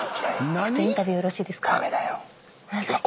インタビューよろしいですか？